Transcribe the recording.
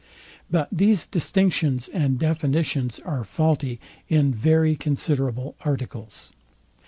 But these distinctions and definitions are faulty in very considerable articles.